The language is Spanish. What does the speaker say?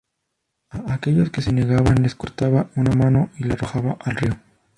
A aquellos que se negaban, les cortaba una mano y la arrojaba al río.